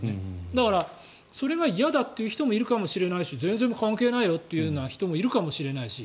だから、それが嫌だっていう人もいるかもしれないし全然関係ないよっていう人もいるかもしれないし。